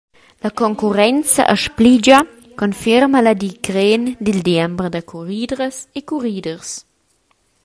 La concurrrenza a Spligia confirma la digren dil diember da curridras e curriders.